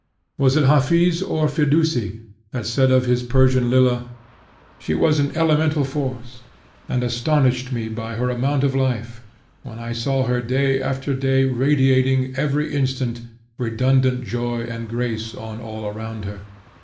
Was it Hafiz or Firdousi that said of his Persian Lilla, She was an elemental force, and astonished me by her amount of life, when I saw her day after day radiating, every instant, redundant joy and grace on all around her.